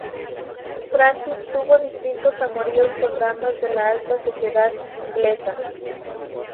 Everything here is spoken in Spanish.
Francis tuvo distintos amoríos con damas de la alta sociedad inglesa.